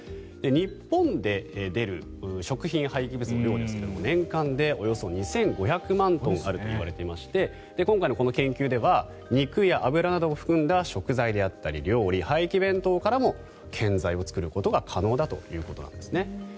日本で出る食品廃棄物の量ですが年間でおよそ２５００万トンあるといわれていまして今回のこの研究では肉や油などを含んだ食材であったり、料理廃棄弁当からも建材を作ることが可能だということなんですね。